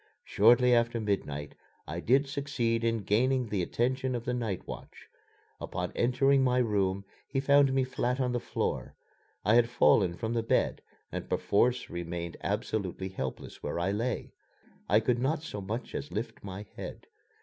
Shortly after midnight I did succeed in gaining the attention of the night watch. Upon entering my room he found me flat on the floor. I had fallen from the bed and perforce remained absolutely helpless where I lay. I could not so much as lift my head.